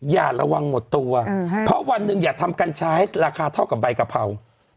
อย่าระวังหมดตัวเพราะวันหนึ่งอย่าทำกัญชาให้ราคาเท่ากับใบกะเพรา